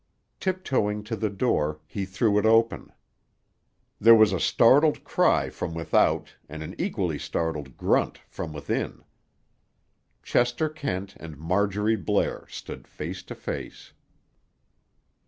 Tiptoeing to the door, he threw it open. There was a startled cry from without and an equally startled grunt from within. Chester Kent and Marjorie Blair stood face to face.